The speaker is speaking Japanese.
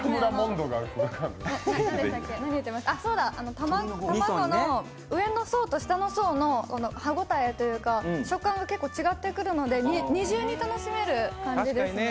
卵の上の層と下の層の歯応えというか食感が結構違ってくるので二重に楽しめる感じです。